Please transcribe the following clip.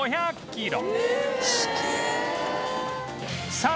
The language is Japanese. ２００キロ？